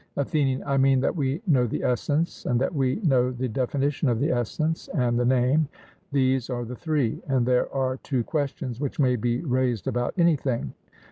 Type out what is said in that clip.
ATHENIAN: I mean that we know the essence, and that we know the definition of the essence, and the name these are the three; and there are two questions which may be raised about anything.